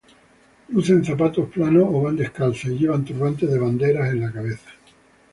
Lucen zapatos planos o van descalzas y llevan turbantes de banderas en la cabeza.